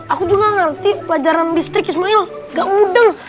aku juga ngerti pelajaran listrik ismail gak udeng